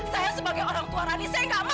saya sebagai orang tua rani saya nggak mau